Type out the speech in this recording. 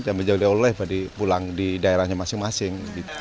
sambil jauh jauh pulang di daerahnya masing masing gitu